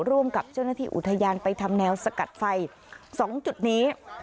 ร่วมกับเจ้าหน้าที่อุทยานไปทำแนวสกัดไฟ๒จุดนี้